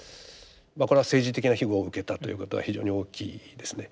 これは政治的な庇護を受けたということが非常に大きいですね。